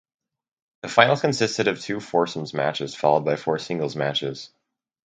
The final consisted of two foursomes matches followed by four singles matches.